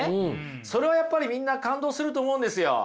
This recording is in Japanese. それはやっぱりみんな感動すると思うんですよ。